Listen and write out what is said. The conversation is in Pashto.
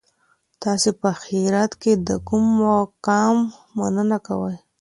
تاسي په اخیرت کي د کوم مقام مننه کوئ؟